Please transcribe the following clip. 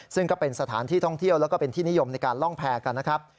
ซึ่งก็เป็นสถานที่ท่องเที่ยวแล้วก็เป็นที่นิยมในการล่องแพรกันนะครับ